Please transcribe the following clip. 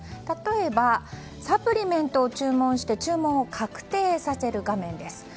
例えば、サプリメントを注文して注文を確定させる画面です。